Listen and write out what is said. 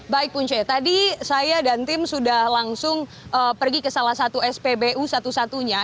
baik punca tadi saya dan tim sudah langsung pergi ke salah satu spbu satu satunya